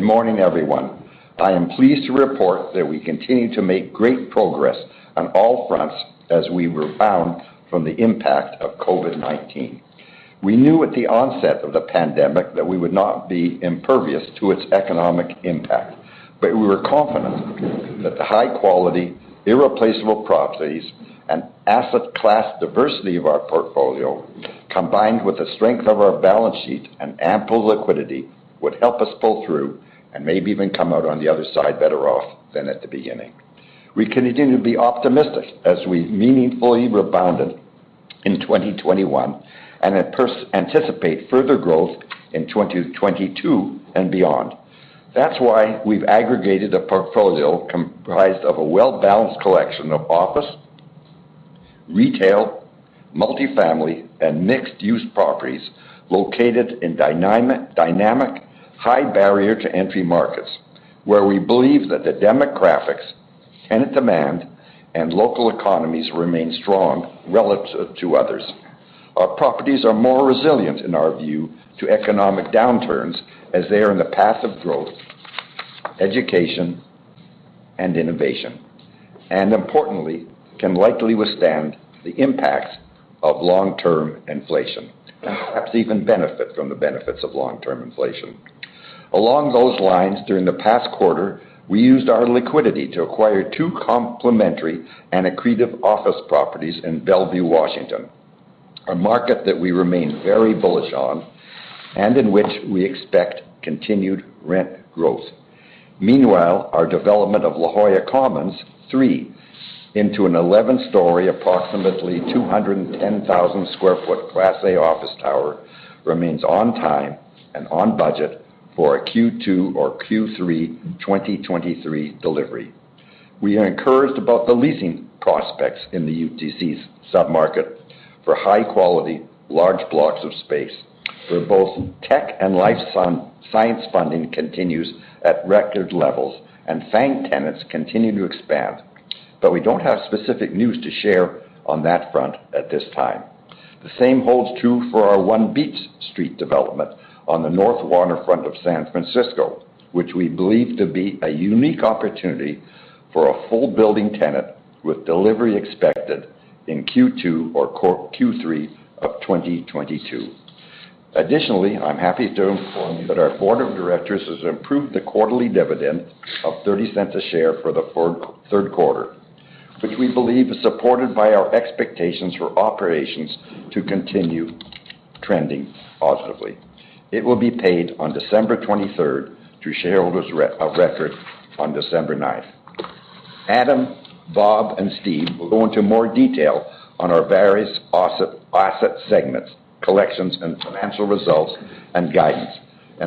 Good morning, everyone. I am pleased to report that we continue to make great progress on all fronts as we rebound from the impact of COVID-19. We knew at the onset of the pandemic that we would not be impervious to its economic impact. We were confident that the high quality, irreplaceable properties and asset class diversity of our portfolio, combined with the strength of our balance sheet and ample liquidity, would help us pull through and maybe even come out on the other side better off than at the beginning. We continue to be optimistic as we meaningfully rebounded in 2021, and we first anticipate further growth in 2022 and beyond. That's why we've aggregated a portfolio comprised of a well-balanced collection of office, retail, multi-family, and mixed-use properties located in dynamic, high barrier to entry markets, where we believe that the demographics, tenant demand, and local economies remain strong relative to others. Our properties are more resilient in our view to economic downturns as they are in the path of growth, education, and innovation, and importantly, can likely withstand the impacts of long-term inflation, perhaps even benefit from the benefits of long-term inflation. Along those lines, during the past quarter, we used our liquidity to acquire two complementary and accretive office properties in Bellevue, Washington, a market that we remain very bullish on and in which we expect continued rent growth. Meanwhile, our development of La Jolla Commons III into an 11-story, approximately 210,000 sq ft Class A office tower remains on time and on budget for a Q2 or Q3 2023 delivery. We are encouraged about the leasing prospects in the UTC's sub-market for high-quality, large blocks of space, where both tech and life science funding continues at record levels and FAANG tenants continue to expand. We don't have specific news to share on that front at this time. The same holds true for our One Beach Street development on the North Waterfront of San Francisco, which we believe to be a unique opportunity for a full building tenant with delivery expected in Q2 or Q3 2022. Additionally, I'm happy to inform you that our Board of Directors has approved the quarterly dividend of $0.30 a share for the third quarter, which we believe is supported by our expectations for operations to continue trending positively. It will be paid on December 23rd to shareholders of record on December ninth. Adam, Bob, and Steve will go into more detail on our various asset segments, collections, and financial results and guidance.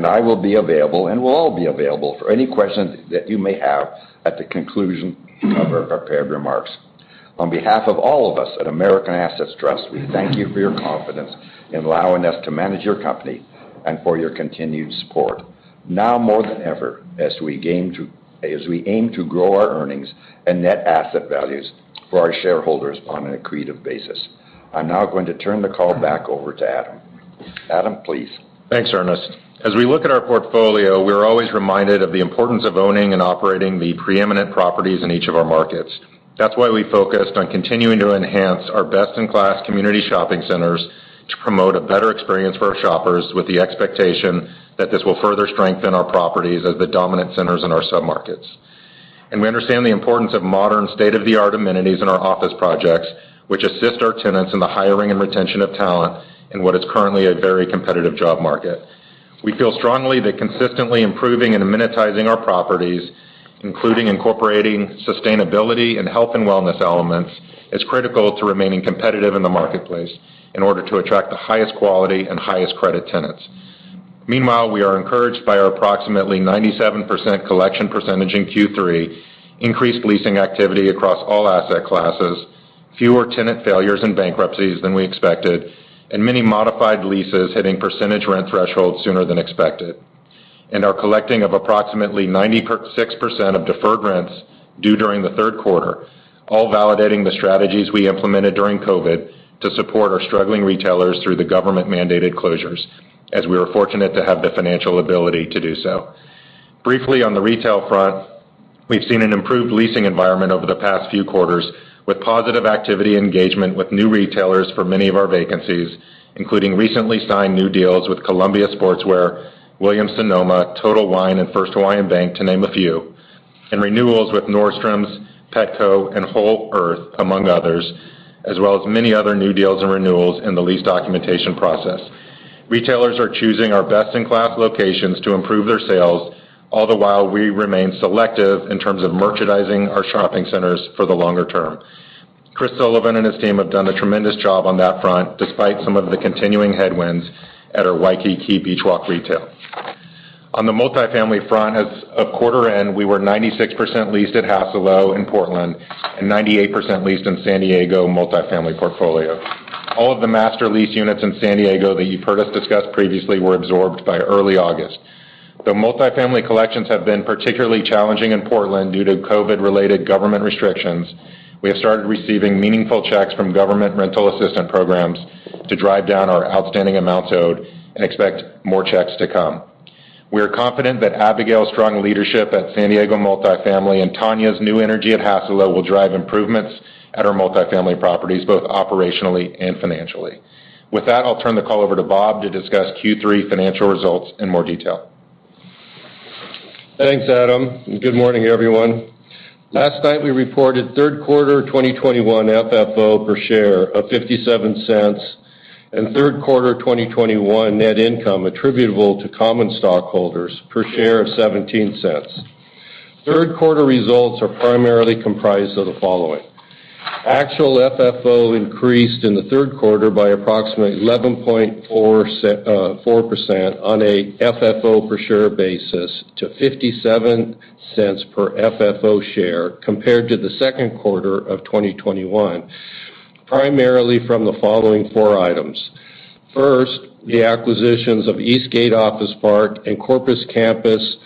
I will be available, and we'll all be available for any questions that you may have at the conclusion of our prepared remarks. On behalf of all of us at American Assets Trust, we thank you for your confidence in allowing us to manage your company and for your continued support. Now more than ever, as we aim to grow our earnings and net asset values for our shareholders on an accretive basis. I'm now going to turn the call back over to Adam. Adam, please. Thanks, Ernest. As we look at our portfolio, we're always reminded of the importance of owning and operating the preeminent properties in each of our markets. That's why we focused on continuing to enhance our best-in-class community shopping centers to promote a better experience for our shoppers with the expectation that this will further strengthen our properties as the dominant centers in our sub-markets. We understand the importance of modern state-of-the-art amenities in our office projects, which assist our tenants in the hiring and retention of talent in what is currently a very competitive job market. We feel strongly that consistently improving and amenitizing our properties, including incorporating sustainability and health and wellness elements, is critical to remaining competitive in the marketplace in order to attract the highest quality and highest credit tenants. Meanwhile, we are encouraged by our approximately 97% collection percentage in Q3, increased leasing activity across all asset classes, fewer tenant failures and bankruptcies than we expected, and many modified leases hitting percentage rent thresholds sooner than expected, and our collecting of approximately 96% of deferred rents due during the third quarter, all validating the strategies we implemented during COVID to support our struggling retailers through the government-mandated closures, as we were fortunate to have the financial ability to do so. Briefly, on the retail front, we've seen an improved leasing environment over the past few quarters with positive activity engagement with new retailers for many of our vacancies, including recently signed new deals with Columbia Sportswear, Williams Sonoma, Total Wine, and First Hawaiian Bank, to name a few. Renewals with Nordstrom's, Petco, and Whole Foods, among others, as well as many other new deals and renewals in the lease documentation process. Retailers are choosing our best-in-class locations to improve their sales. All the while, we remain selective in terms of merchandising our shopping centers for the longer term. Chris Sullivan and his team have done a tremendous job on that front, despite some of the continuing headwinds at our Waikiki Beach Walk retail. On the multifamily front, as of quarter end, we were 96% leased at Hassalo in Portland and 98% leased in San Diego multifamily portfolio. All of the master lease units in San Diego that you've heard us discuss previously were absorbed by early August. The multifamily collections have been particularly challenging in Portland due to COVID-related government restrictions. We have started receiving meaningful checks from government rental assistance programs to drive down our outstanding amounts owed and expect more checks to come. We are confident that Abigail's strong leadership at San Diego Multifamily and Tonya's new energy at Hassalo will drive improvements at our multifamily properties, both operationally and financially. With that, I'll turn the call over to Bob to discuss Q3 financial results in more detail. Thanks, Adam, and good morning, everyone. Last night, we reported third quarter 2021 FFO per share of $0.57 and third quarter 2021 net income attributable to common stockholders per share of $0.17. Third quarter results are primarily comprised of the following. Actual FFO increased in the third quarter by approximately 11.4% on a FFO per share basis to $0.57 per FFO share compared to the second quarter of 2021, primarily from the following four items. First, the acquisitions of Eastgate Office Park and Corporate Campus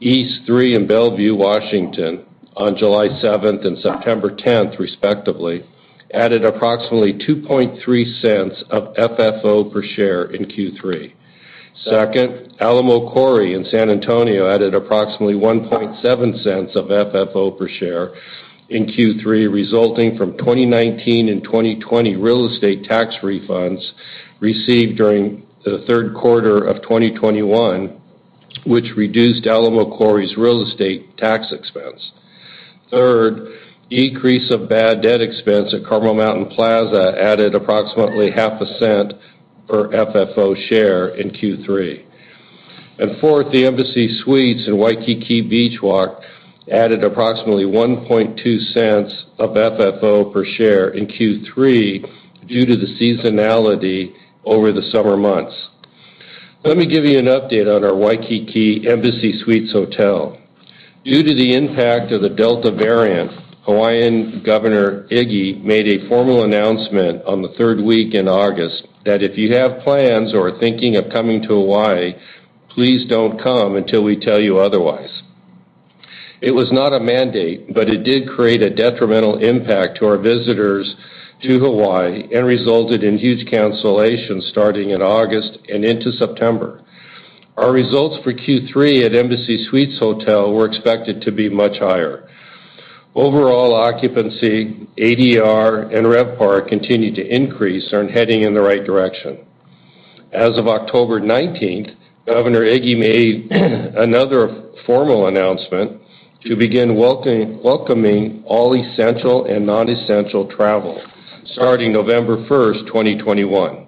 East III in Bellevue, Washington, on July 7 and September 10, respectively, added approximately $0.023 of FFO per share in Q3. Second, Alamo Quarry in San Antonio added approximately $0.017 of FFO per share in Q3, resulting from 2019 and 2020 real estate tax refunds received during the third quarter of 2021, which reduced Alamo Quarry's real estate tax expense. Third, decrease of bad debt expense at Carmel Mountain Plaza added approximately $0.005 per FFO share in Q3. Fourth, the Embassy Suites in Waikiki Beach Walk added approximately $0.012 of FFO per share in Q3 due to the seasonality over the summer months. Let me give you an update on our Waikiki Embassy Suites Hotel. Due to the impact of the Delta variant, Hawaiian Governor David Ige made a formal announcement on the third week in August that if you have plans or are thinking of coming to Hawaii, please don't come until we tell you otherwise. It was not a mandate, but it did create a detrimental impact to our visitors to Hawaii and resulted in huge cancellations starting in August and into September. Our results for Q3 at Embassy Suites Hotel were expected to be much higher. Overall occupancy, ADR, and RevPAR continued to increase and heading in the right direction. As of October 19, Governor Ige made another formal announcement to begin welcoming all essential and non-essential travel starting November 1, 2021.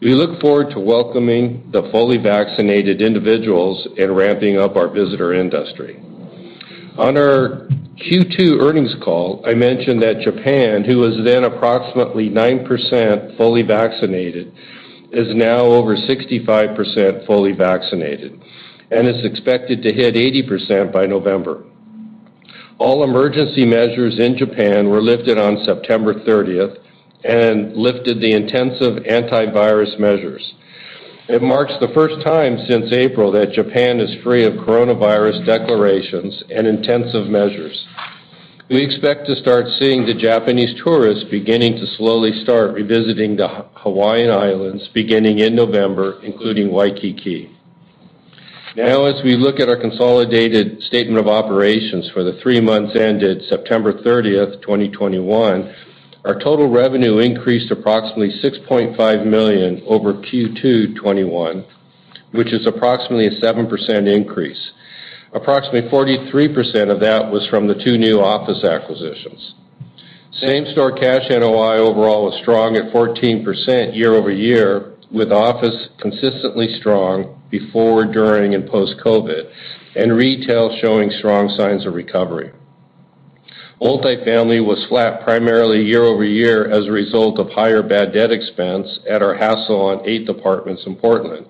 We look forward to welcoming the fully vaccinated individuals and ramping up our visitor industry. On our Q2 earnings call, I mentioned that Japan, who was then approximately 9% fully vaccinated, is now over 65% fully vaccinated and is expected to hit 80% by November. All emergency measures in Japan were lifted on September 30 and lifted the intensive antivirus measures. It marks the first time since April that Japan is free of coronavirus declarations and intensive measures. We expect to start seeing the Japanese tourists beginning to slowly start revisiting the Hawaiian Islands beginning in November, including Waikiki. Now, as we look at our consolidated statement of operations for the three months ended September 30, 2021, our total revenue increased approximately $6.5 million over Q2 2021. Which is approximately a 7% increase. Approximately 43% of that was from the two new office acquisitions. Same-store cash NOI overall was strong at 14% year-over-year, with office consistently strong before, during, and post-COVID, and retail showing strong signs of recovery. Multifamily was flat primarily year-over-year as a result of higher bad debt expense at our Hassalo on Eighth Apartments in Portland,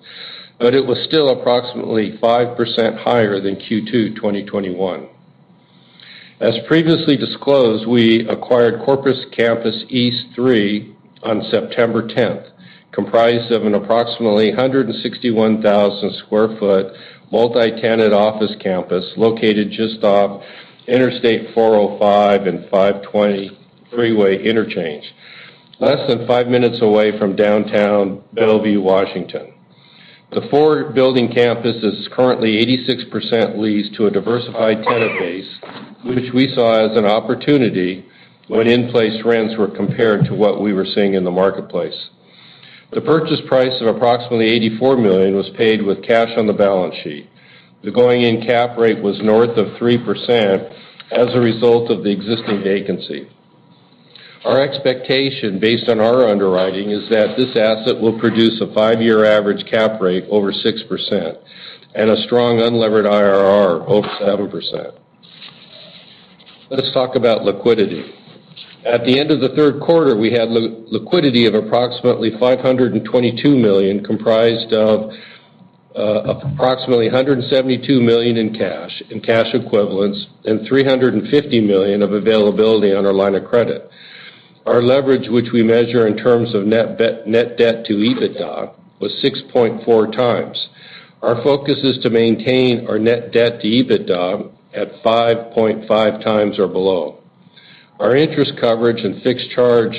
but it was still approximately 5% higher than Q2 2021. As previously disclosed, we acquired Corporate Campus East III on September 10th, comprised of an approximately 161,000 sq ft multi-tenant office campus located just off Interstate 405 and 520 freeway interchange, less than five minutes away from downtown Bellevue, Washington. The four-building campus is currently 86% leased to a diversified tenant base, which we saw as an opportunity when in-place rents were compared to what we were seeing in the marketplace. The purchase price of approximately $84 million was paid with cash on the balance sheet. The going-in cap rate was north of 3% as a result of the existing vacancy. Our expectation based on our underwriting is that this asset will produce a five-year average cap rate over 6% and a strong unlevered IRR over 7%. Let us talk about liquidity. At the end of the third quarter, we had liquidity of approximately $522 million, comprised of approximately $172 million in cash and cash equivalents and $350 million of availability on our line of credit. Our leverage, which we measure in terms of net debt to EBITDA, was 6.4x. Our focus is to maintain our net debt to EBITDA at 5.5x or below. Our interest coverage and fixed charge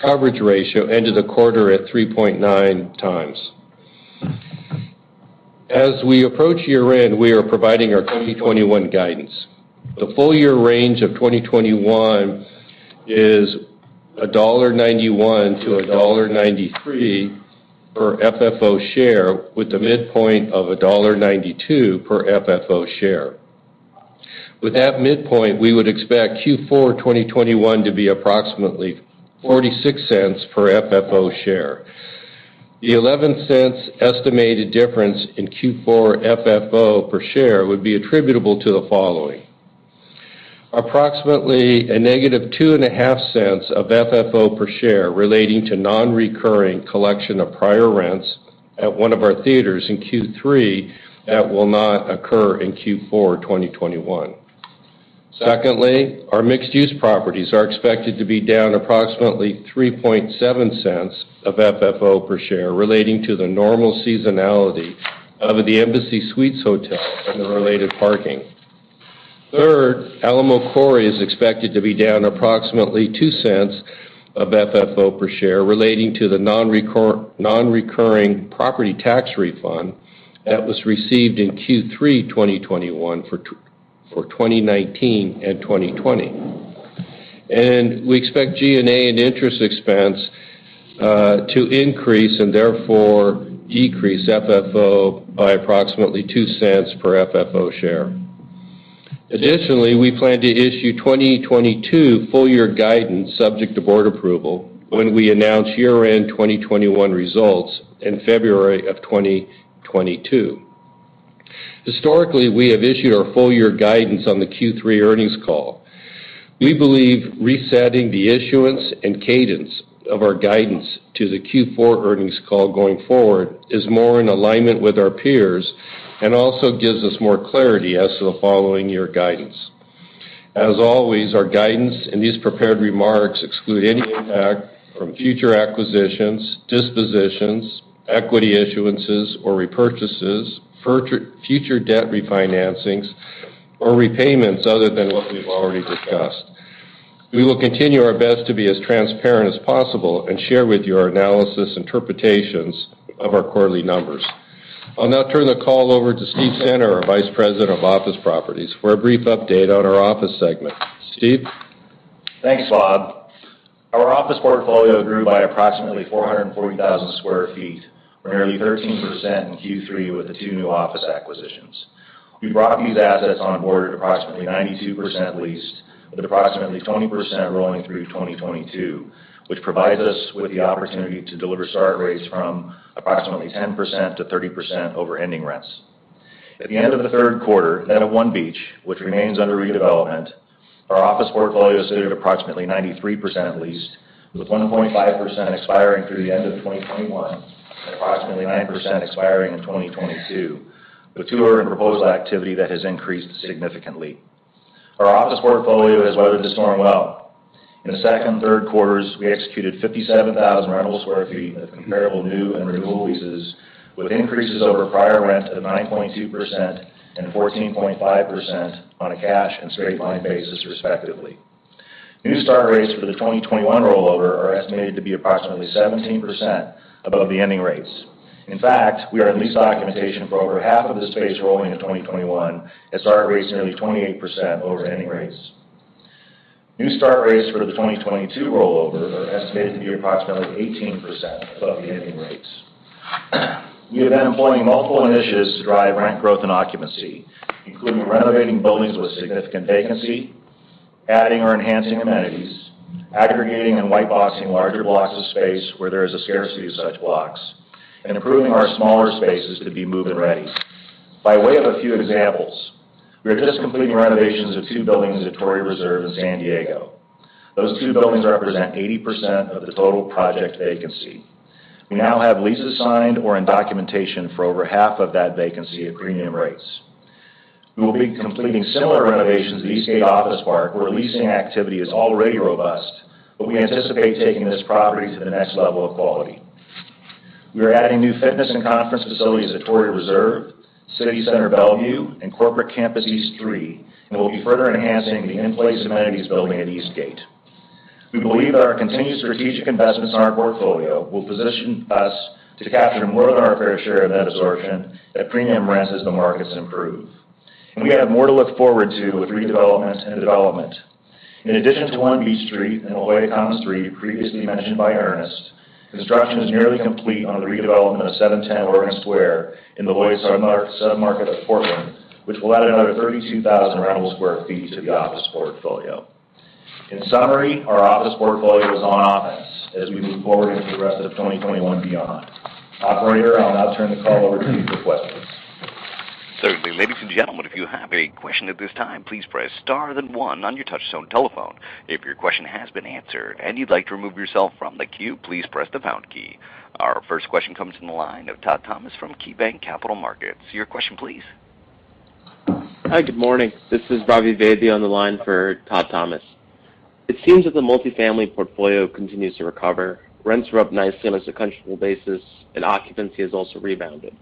coverage ratio ended the quarter at 3.9 x. As we approach year-end, we are providing our 2021 guidance. The full year range of 2021 is $1.91-$1.93 per FFO share, with the midpoint of $1.92 per FFO share. With that midpoint, we would expect Q4 2021 to be approximately $0.46 per FFO share. The $0.11 estimated difference in Q4 FFO per share would be attributable to the following. Approximately -$0.025 of FFO per share relating to non-recurring collection of prior rents at one of our theaters in Q3 that will not occur in Q4 2021. Secondly, our mixed-use properties are expected to be down approximately $0.037 of FFO per share relating to the normal seasonality of the Embassy Suites Hotel and the related parking. Third, Alamo Quarry is expected to be down approximately $0.02 of FFO per share relating to the non-recurring property tax refund that was received in Q3 2021 for 2019 and 2020. We expect G&A and interest expense to increase, and therefore decrease FFO by approximately $0.02 per FFO share. Additionally, we plan to issue 2022 full year guidance subject to Board approval when we announce year-end 2021 results in February of 2022. Historically, we have issued our full year guidance on the Q3 earnings call. We believe resetting the issuance and cadence of our guidance to the Q4 earnings call going forward is more in alignment with our peers and also gives us more clarity as to the following year guidance. As always, our guidance in these prepared remarks exclude any impact from future acquisitions, dispositions, equity issuances or repurchases, future debt refinancings or repayments other than what we've already discussed. We will continue our best to be as transparent as possible and share with you our analysis interpretations of our quarterly numbers. I'll now turn the call over to Steve Center, our Vice President of Office Properties, for a brief update on our office segment. Steve? Thanks, Bob. Our office portfolio grew by approximately 440,000 sq ft, or nearly 13% in Q3 with the two new office acquisitions. We brought these assets on board at approximately 92% leased, with approximately 20% rolling through 2022, which provides us with the opportunity to deliver start rates from approximately 10%-30% over ending rents. At the end of the third quarter, net of One Beach, which remains under redevelopment, our office portfolio stood at approximately 93% leased, with 1.5% expiring through the end of 2021, and approximately 9% expiring in 2022, with tour and proposal activity that has increased significantly. Our office portfolio has weathered the storm well. In the second and third quarters, we executed 57,000 rentable sq ft of comparable new and renewal leases, with increases over prior rent of 9.2% and 14.5% on a cash and straight line basis, respectively. New start rates for the 2021 rollover are estimated to be approximately 17% above the ending rates. In fact, we are in lease documentation for over half of the space rolling in 2021 at start rates nearly 28% over ending rates. New start rates for the 2022 rollover are estimated to be approximately 18% above the ending rates. We have been employing multiple initiatives to drive rent growth and occupancy, including renovating buildings with significant vacancy, adding or enhancing amenities, aggregating and white boxing larger blocks of space where there is a scarcity of such blocks, and improving our smaller spaces to be move-in ready. By way of a few examples, we are just completing renovations of two buildings at Torrey Reserve in San Diego. Those two buildings represent 80% of the total project vacancy. We now have leases signed or in documentation for over half of that vacancy at premium rates. We will be completing similar renovations at Eastgate Office Park, where leasing activity is already robust, but we anticipate taking this property to the next level of quality. We are adding new fitness and conference facilities at Torrey Reserve, City Center Bellevue, and Corporate Campus East III, and we'll be further enhancing the in-place amenities building at Eastgate. We believe that our continued strategic investments in our portfolio will position us to capture more than our fair share of net absorption at premium rents as the markets improve. We have more to look forward to with redevelopment and development. In addition to One Beach Street and La Jolla Commons III, previously mentioned by Ernest, construction is nearly complete on the redevelopment of 710 Oregon Square in the Lloyd submarket of Portland, which will add another 32,000 rentable sq ft to the office portfolio. In summary, our office portfolio is on offense as we move forward into the rest of 2021 and beyond. Operator, I'll now turn the call over to you for questions. Certainly. Ladies and gentlemen, if you have a question at this time, please press star then one on your touch tone telephone. If your question has been answered and you'd like to remove yourself from the queue, please press the pound key. Our first question comes from the line of Todd Thomas from KeyBanc Capital Markets. Your question please. Hi, good morning. This is Ravi Vaidya on the line for Todd Thomas. It seems that the multifamily portfolio continues to recover. Rents are up nicely on a sequential basis, and occupancy has also rebounded.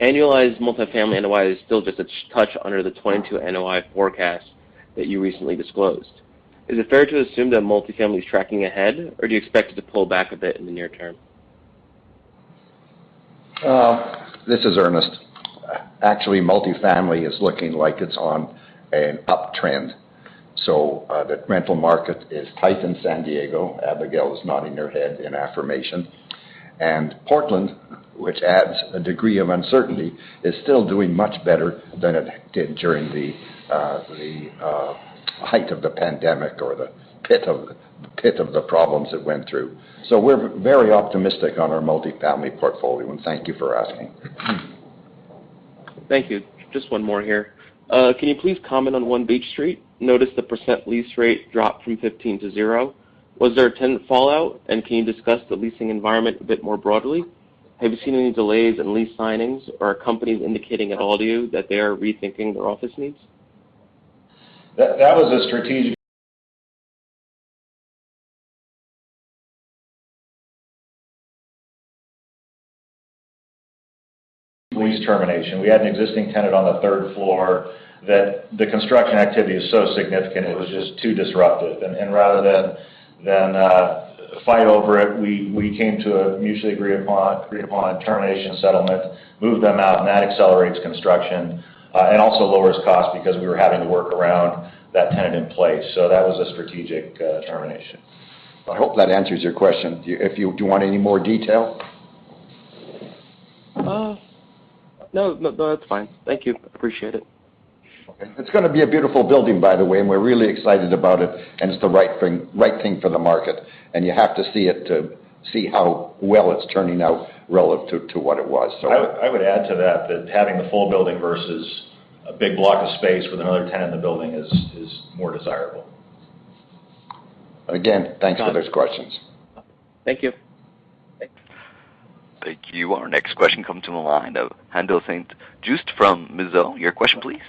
Annualized multifamily NOI is still just a touch under the 22 NOI forecast that you recently disclosed. Is it fair to assume that multifamily is tracking ahead, or do you expect it to pull back a bit in the near term? This is Ernest. Actually, multifamily is looking like it's on an uptrend. The rental market is tight in San Diego. Abigail is nodding her head in affirmation. Portland, which adds a degree of uncertainty, is still doing much better than it did during the height of the pandemic or the pit of the problems it went through. We're very optimistic on our multifamily portfolio, and thank you for asking. Thank you. Just one more here. Can you please comment on One Beach Street? I noticed the percentage leased dropped from 15% to 0%. Was there a tenant fallout? Can you discuss the leasing environment a bit more broadly? Have you seen any delays in lease signings or are companies indicating at all to you that they are rethinking their office needs? That was a strategic lease termination. We had an existing tenant on the third floor that the construction activity is so significant, it was just too disruptive. Rather than fight over it, we came to a mutually agreed-upon termination settlement, moved them out, and that accelerates construction and also lowers cost because we were having to work around that tenant in place. That was a strategic termination. I hope that answers your question. Do you want any more detail? No, it's fine. Thank you. Appreciate it. Okay. It's gonna be a beautiful building, by the way, and we're really excited about it, and it's the right thing for the market. You have to see it to see how well it's turning out relative to what it was so. I would add to that having the full building versus a big block of space with another tenant in the building is more desirable. Again, thanks for those questions. Thank you. Thank you. Thank you. Our next question comes from the line of Haendel St. Juste from Mizuho. Your question please.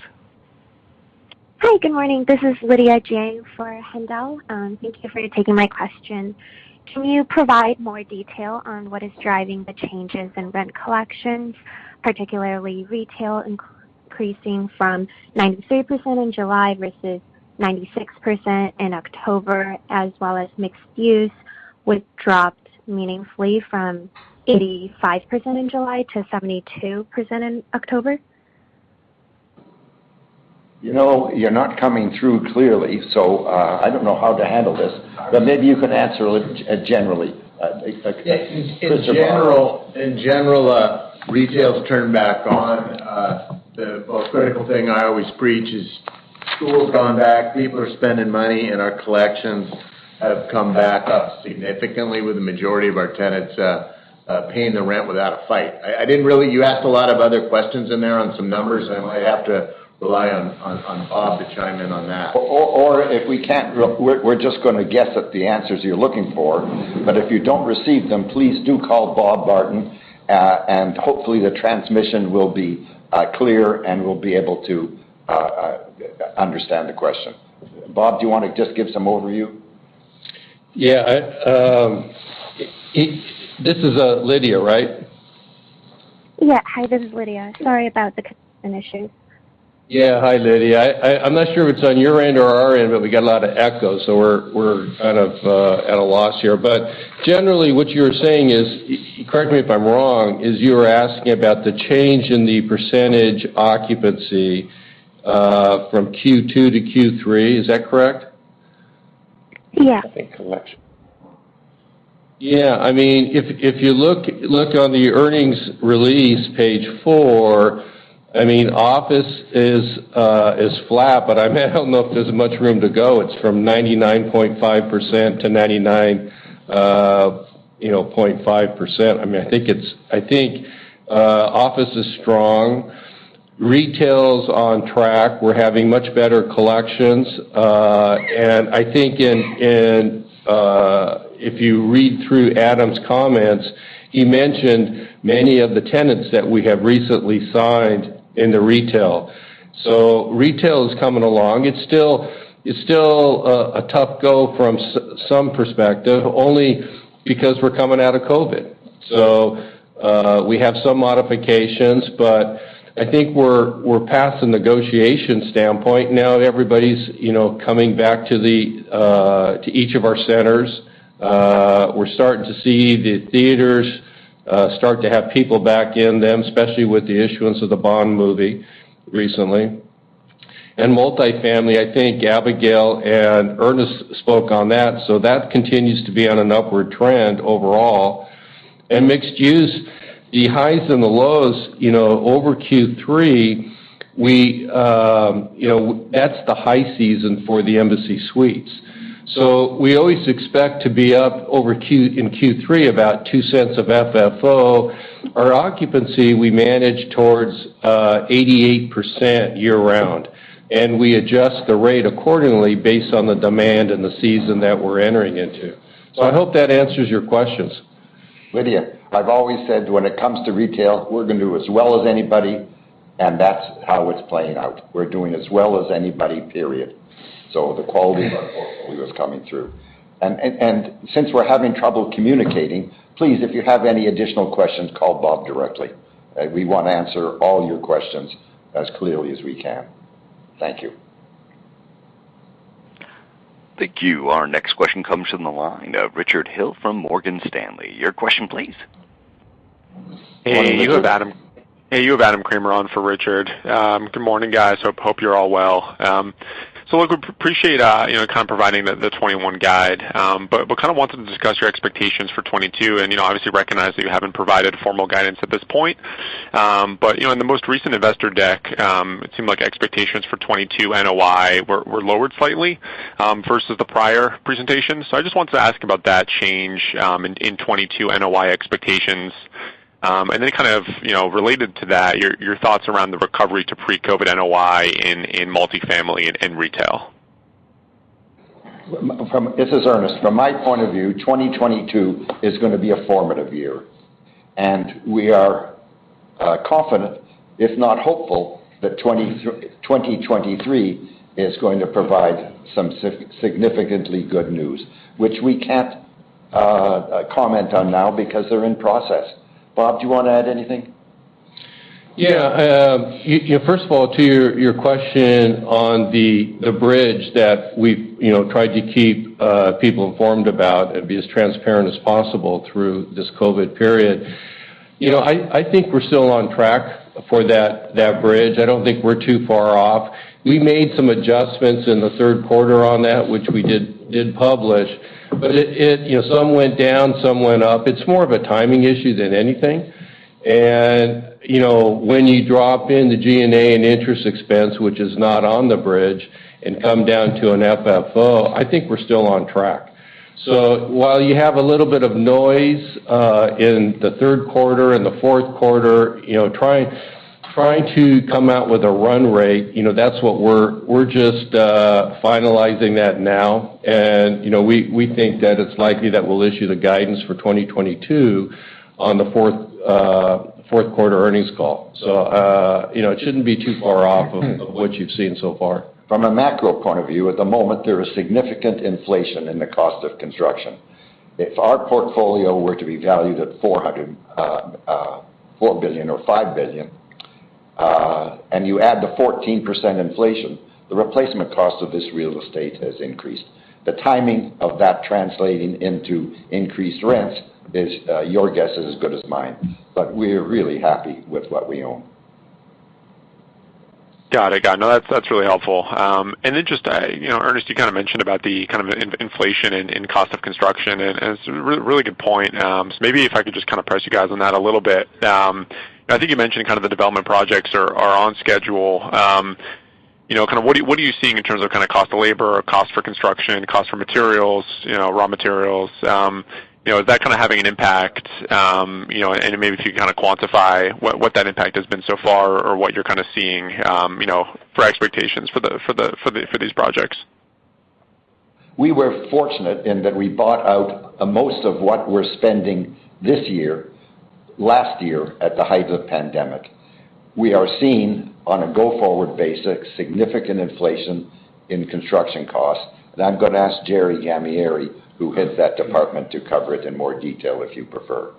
Hi, good morning. This is Lydia Jiang for Haendel. Thank you for taking my question. Can you provide more detail on what is driving the changes in rent collections, particularly retail increasing from 93% in July versus 96% in October, as well as mixed use, which dropped meaningfully from 85% in July to 72% in October? You know, you're not coming through clearly, so, I don't know how to handle this. Maybe you can answer a little bit, generally, Chris or Bob. In general, retail's turned back on. The most critical thing I always preach is school's gone back, people are spending money, and our collections have come back up significantly with the majority of our tenants paying the rent without a fight. I didn't really. You asked a lot of other questions in there on some numbers. I might have to rely on Bob to chime in on that. If we can't, we're just gonna guess at the answers you're looking for. If you don't receive them, please do call Bob Barton, and hopefully, the transmission will be clear, and we'll be able to understand the question. Bob, do you wanna just give some overview? Yeah. This is Lydia, right? Yeah. Hi, this is Lydia. Sorry about the connection issue. Yeah. Hi, Lydia. I'm not sure if it's on your end or our end, but we got a lot of echo, so we're kind of at a loss here. Generally, what you're saying is, correct me if I'm wrong, is you were asking about the change in the percentage occupancy from Q2-Q3. Is that correct? Yeah. I think collection. Yeah. I mean, if you look on the earnings release page four, I mean, office is flat, but I don't know if there's much room to go. It's from 99.5% to 99.5%. I mean, I think office is strong. Retail's on track. We're having much better collections. And I think if you read through Adam's comments, he mentioned many of the tenants that we have recently signed in the retail. So retail is coming along. It's still a tough go from some perspective, only because we're coming out of COVID. So we have some modifications, but I think we're past the negotiation standpoint now. Everybody's you know coming back to each of our centers. We're starting to see the theaters start to have people back in them, especially with the issuance of the Bond movie recently. Multifamily, I think Abigail and Ernest spoke on that. That continues to be on an upward trend overall. Mixed use, the highs and the lows, you know, over Q3, you know, that's the high season for the Embassy Suites. We always expect to be up in Q3 about $0.02 FFO. Our occupancy, we manage towards 88% year-round, and we adjust the rate accordingly based on the demand and the season that we're entering into. I hope that answers your questions. Lydia, I've always said when it comes to retail, we're gonna do as well as anybody, and that's how it's playing out. We're doing as well as anybody, period. The quality of our portfolio is coming through. Since we're having trouble communicating, please, if you have any additional questions, call Bob directly. We wanna answer all your questions as clearly as we can. Thank you. Thank you. Our next question comes from the line of Richard Hill from Morgan Stanley. Your question please. Hey, you have Adam. Hey, you have Adam Kramer on for Richard. Good morning, guys. Hope you're all well. Look, we appreciate you know kind of providing the 2021 guide. But we kind of wanted to discuss your expectations for 2022. You know, obviously recognize that you haven't provided formal guidance at this point. But you know, in the most recent investor deck, it seemed like expectations for 2022 NOI were lowered slightly versus the prior presentation. I just wanted to ask about that change in 2022 NOI expectations. And then kind of you know, related to that, your thoughts around the recovery to pre-COVID NOI in multifamily and in retail. This is Ernest. From my point of view, 2022 is gonna be a formative year. We are confident, if not hopeful, that 2023 is going to provide some significantly good news, which we can't comment on now because they're in process. Bob, do you wanna add anything? Yeah. You know, first of all, to your question on the bridge that we've you know tried to keep people informed about and be as transparent as possible through this COVID period. You know, I think we're still on track for that bridge. I don't think we're too far off. We made some adjustments in the third quarter on that, which we did publish. You know, some went down, some went up. It's more of a timing issue than anything. You know, when you drop in the G&A and interest expense, which is not on the bridge, and come down to an FFO, I think we're still on track. While you have a little bit of noise in the third quarter and the fourth quarter, you know, trying to come out with a run rate, you know, that's what we're just finalizing that now. We think that it's likely that we'll issue the guidance for 2022 on the fourth quarter earnings call. You know, it shouldn't be too far off of what you've seen so far. From a macro point of view, at the moment, there is significant inflation in the cost of construction. If our portfolio were to be valued at $4 billion or $5 billion, and you add the 14% inflation, the replacement cost of this real estate has increased. The timing of that translating into increased rents is your guess is as good as mine. We're really happy with what we own. Got it. No, that's really helpful. Just, you know, Ernest, you kind of mentioned about the kind of inflation and cost of construction, and it's a really good point. Maybe if I could just kind of press you guys on that a little bit. I think you mentioned kind of the development projects are on schedule. You know, kind of what are you seeing in terms of kind of cost of labor or cost for construction, cost for materials, you know, raw materials? You know, is that kind of having an impact? You know, maybe if you can kind of quantify what that impact has been so far or what you're kind of seeing, you know, for expectations for these projects. We were fortunate in that we bought out most of what we're spending this year, last year at the height of the pandemic. We are seeing, on a go-forward basis, significant inflation in construction costs. I'm gonna ask Jerry Gammieri, who heads that department, to cover it in more detail, if you prefer.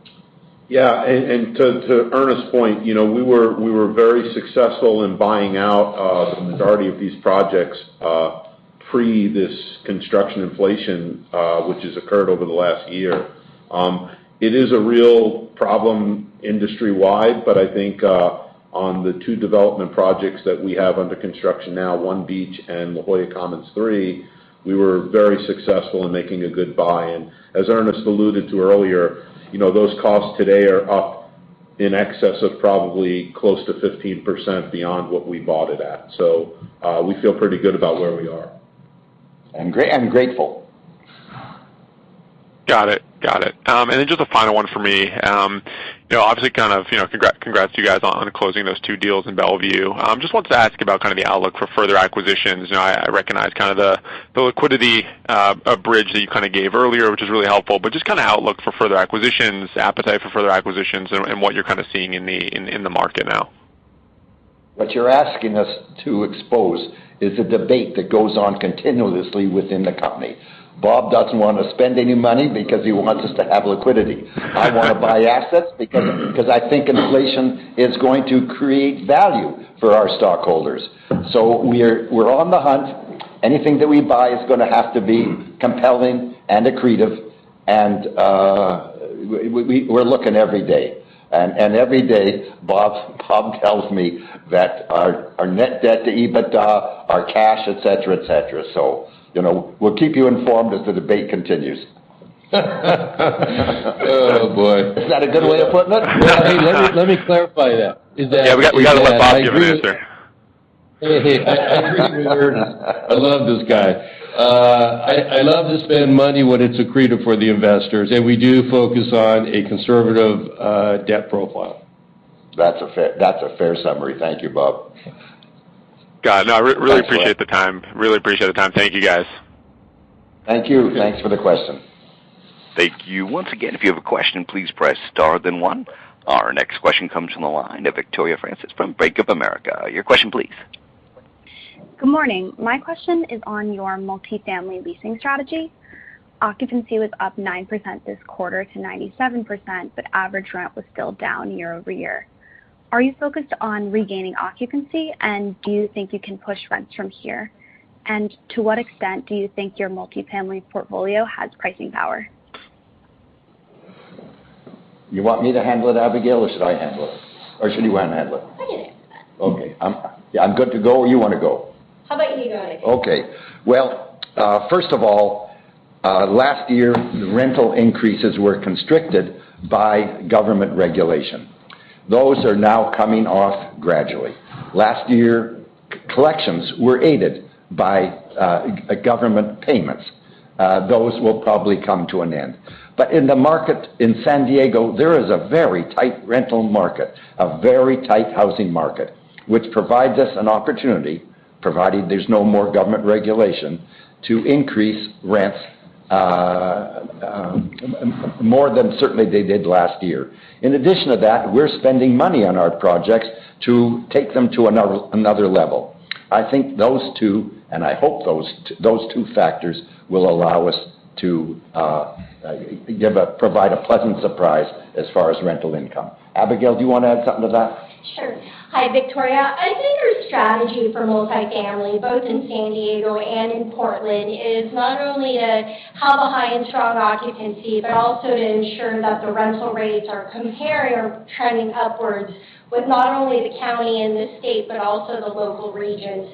Yeah. To Ernest's point, you know, we were very successful in buying out the majority of these projects pre this construction inflation, which has occurred over the last year. It is a real problem industry-wide, but I think on the two development projects that we have under construction now, One Beach Street and La Jolla Commons III, we were very successful in making a good buy. As Ernest alluded to earlier, you know, those costs today are up in excess of probably close to 15% beyond what we bought it at. We feel pretty good about where we are. Grateful. Got it. Just a final one for me. You know, obviously kind of, you know, congrats to you guys on closing those two deals in Bellevue. Just wanted to ask about kind of the outlook for further acquisitions. You know, I recognize kind of the liquidity bridge that you kind of gave earlier, which was really helpful. Just kind of outlook for further acquisitions, appetite for further acquisitions, and what you're kind of seeing in the market now. What you're asking us to expose is a debate that goes on continuously within the company. Bob doesn't wanna spend any money because he wants us to have liquidity. I wanna buy assets because I think inflation is going to create value for our stockholders. We're on the hunt. Anything that we buy is gonna have to be compelling and accretive. We're looking every day. Every day, Bob tells me that our net debt to EBITDA, our cash, et cetera. You know, we'll keep you informed as the debate continues. Oh, boy. Is that a good way of putting it? Let me clarify that. Is that? Yeah, we gotta let Bob give an answer. I agree with Ernest. I love this guy. I love to spend money when it's accretive for the investors, and we do focus on a conservative debt profile. That's a fair summary. Thank you, Bob. Got it. No, I really appreciate the time. Thank you, guys. Thank you. Thanks for the question. Thank you. Once again, if you have a question, please press star then one. Our next question comes from the line of Victoria Francis from Bank of America. Your question please. Good morning. My question is on your multifamily leasing strategy. Occupancy was up 9% this quarter to 97%, but average rent was still down year-over-year. Are you focused on regaining occupancy, and do you think you can push rents from here? To what extent do you think your multifamily portfolio has pricing power? You want me to handle it, Abigail, or should I handle it? Or should you wanna handle it? I can handle it. Okay. Yeah, I'm good to go, or you wanna go? How about you go ahead? Okay. Well, first of all, last year, the rental increases were constricted by government regulation. Those are now coming off gradually. Last year, collections were aided by government payments. Those will probably come to an end. In the market in San Diego, there is a very tight rental market, a very tight housing market, which provides us an opportunity, provided there's no more government regulation, to increase rents more than certainly they did last year. In addition to that, we're spending money on our projects to take them to another level. I think those two factors will allow us to provide a pleasant surprise as far as rental income. Abigail, do you wanna add something to that? Sure. Hi, Victoria. I think our strategy for multifamily, both in San Diego and in Portland, is not only to have a high and strong occupancy, but also to ensure that the rental rates are comparing or trending upwards with not only the county and the state, but also the local region.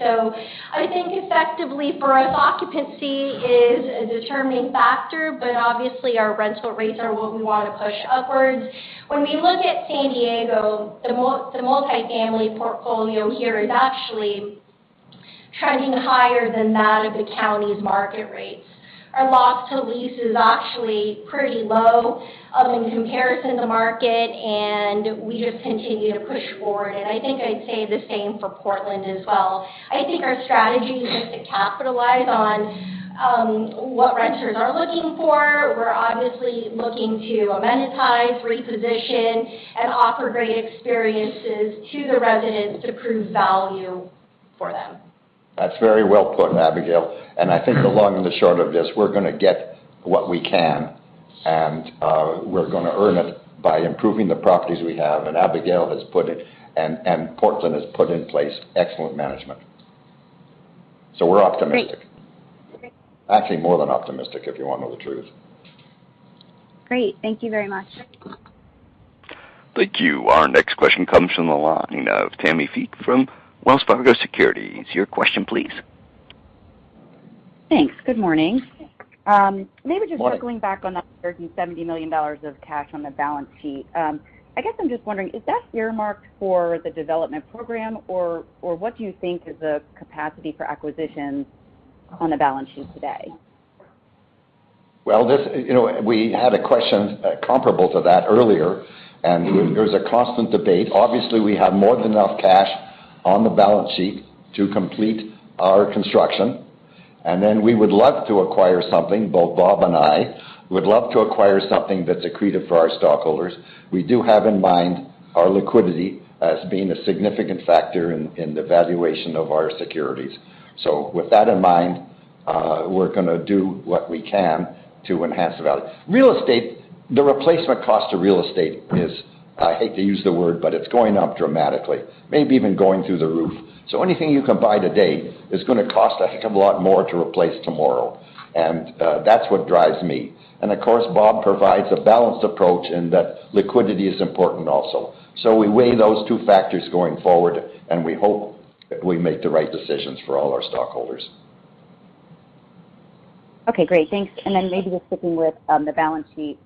I think effectively for us, occupancy is a determining factor, but obviously, our rental rates are what we wanna push upwards. When we look at San Diego, the multifamily portfolio here is actually trending higher than that of the county's market rates. Our loss to lease is actually pretty low in comparison to market, and we just continue to push forward. I think I'd say the same for Portland as well. I think our strategy is just to capitalize on what renters are looking for. We're obviously looking to amenitize, reposition, and offer great experiences to the residents to prove value for them. That's very well put, Abigail. I think the long and the short of this, we're gonna get what we can, and we're gonna earn it by improving the properties we have. Abigail has put it, and Portland has put in place excellent management. We're optimistic. Great. Actually, more than optimistic, if you wanna know the truth. Great. Thank you very much. Thank you. Our next question comes from the line of Tammi Fique from Wells Fargo Securities. Your question please. Thanks. Good morning. Maybe just circling back on that $37 million of cash on the balance sheet. I guess I'm just wondering, is that earmarked for the development program, or what do you think is the capacity for acquisitions on the balance sheet today? You know, we had a question comparable to that earlier, and there's a constant debate. Obviously, we have more than enough cash on the balance sheet to complete our construction. We would love to acquire something, both Bob and I would love to acquire something that's accretive for our stockholders. We do have in mind our liquidity as being a significant factor in the valuation of our securities. With that in mind, we're gonna do what we can to enhance the value. Real estate. The replacement cost to real estate is, I hate to use the word, but it's going up dramatically, maybe even going through the roof. Anything you can buy today is gonna cost a heck of a lot more to replace tomorrow, and that's what drives me. Of course, Bob provides a balanced approach in that liquidity is important also. We weigh those two factors going forward, and we hope that we make the right decisions for all our stockholders. Okay, great. Thanks. Maybe just sticking with the balance sheet,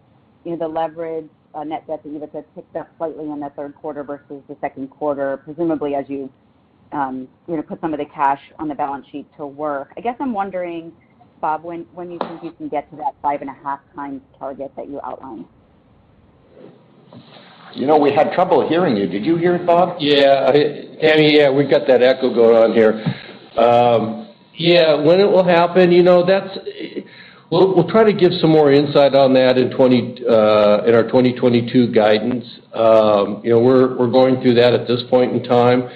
you know, the leverage, net debt that you just said ticked up slightly in the third quarter versus the second quarter, presumably as you know, put some of the cash on the balance sheet to work. I guess I'm wondering, Bob, when you think you can get to that 5.5x target that you outlined? You know, we had trouble hearing you. Did you hear, Bob? Yeah. Tammi, yeah, we've got that echo going on here. Yeah, when it will happen, you know, that's. We'll try to give some more insight on that in 2022 guidance. You know, we're going through that at this point in time.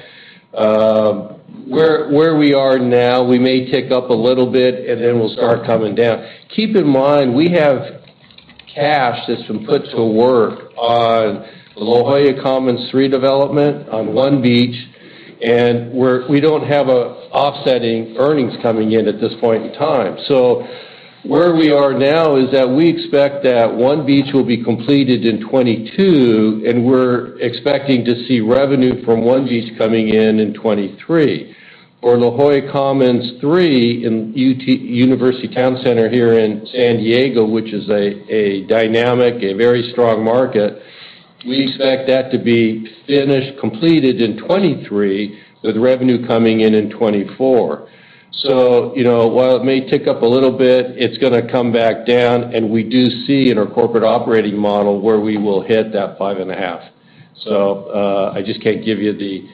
Where we are now, we may tick up a little bit, and then we'll start coming down. Keep in mind, we have cash that's been put to work on La Jolla Commons III development, on One Beach Street, and we don't have offsetting earnings coming in at this point in time. Where we are now is that we expect that One Beach Street will be completed in 2022, and we're expecting to see revenue from One Beach Street coming in in 2023. For La Jolla Commons III in University Town Center here in San Diego, which is a dynamic, very strong market, we expect that to be finished, completed in 2023, with revenue coming in in 2024. You know, while it may tick up a little bit, it's gonna come back down, and we do see in our corporate operating model where we will hit that 5.5x. I just can't give you the.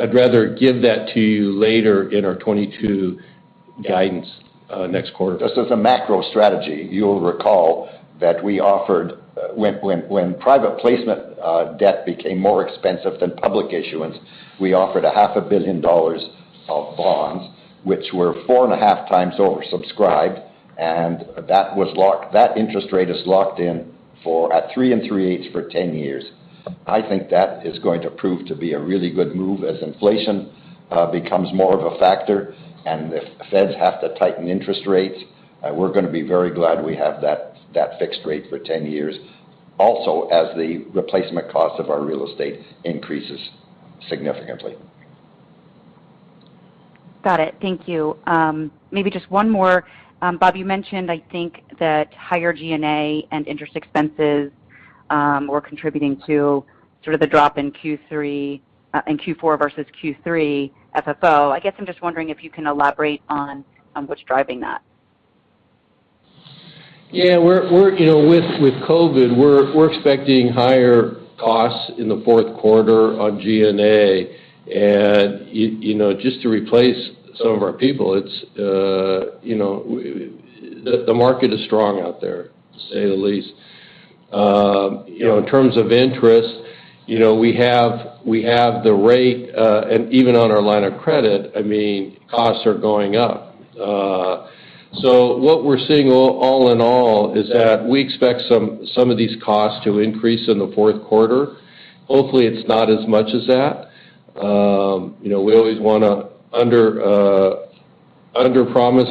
I'd rather give that to you later in our 2022 guidance, next quarter. This is a macro strategy. You'll recall that when private placement debt became more expensive than public issuance, we offered $500 million of bonds, which were 4.5x oversubscribed, and that was locked. That interest rate is locked in at 3 3/8 for 10 years. I think that is going to prove to be a really good move as inflation becomes more of a factor and if Feds have to tighten interest rates, we're gonna be very glad we have that fixed rate for 10 years. Also, as the replacement cost of our real estate increases significantly. Got it. Thank you. Maybe just one more. Bob, you mentioned, I think, that higher G&A and interest expenses were contributing to sort of the drop in Q4 versus Q3 FFO. I guess I'm just wondering if you can elaborate on what's driving that? Yeah. We're you know, with COVID, we're expecting higher costs in the fourth quarter on G&A and you know, just to replace some of our people, it's you know. The market is strong out there, to say the least. You know, in terms of interest, you know, we have the rate, and even on our line of credit, I mean, costs are going up. So what we're seeing all in all is that we expect some of these costs to increase in the fourth quarter. Hopefully, it's not as much as that. You know, we always wanna underpromise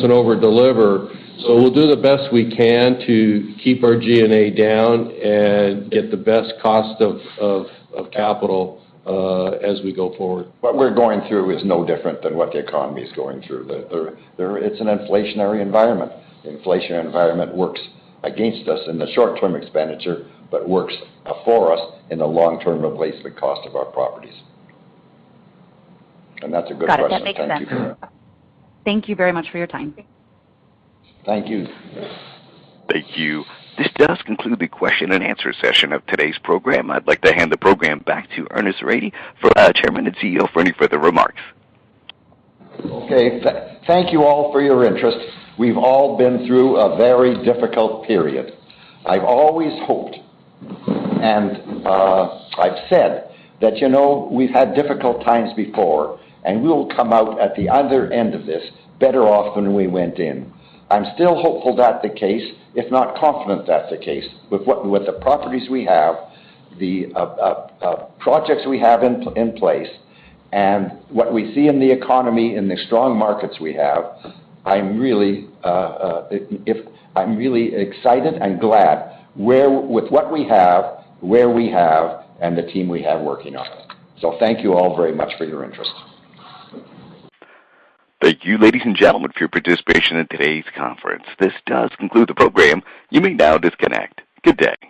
and overdeliver. We'll do the best we can to keep our G&A down and get the best cost of capital as we go forward. What we're going through is no different than what the economy is going through. It's an inflationary environment. Inflation environment works against us in the short-term expenditure, but works for us in the long-term replacement cost of our properties. That's a good question. Got it. That makes sense. Thank you. Thank you very much for your time. Thank you. Thank you. This does conclude the question and answer session of today's program. I'd like to hand the program back to Ernest Rady, Chairman and CEO, for any further remarks. Okay. Thank you all for your interest. We've all been through a very difficult period. I've always hoped, and I've said that, you know, we've had difficult times before, and we'll come out at the other end of this better off than we went in. I'm still hopeful that's the case, if not confident that's the case, with the properties we have, the projects we have in place and what we see in the economy in the strong markets we have. I'm really excited and glad with what we have, where we have and the team we have working on it. Thank you all very much for your interest. Thank you, ladies and gentlemen, for your participation in today's conference. This does conclude the program. You may now disconnect. Good day.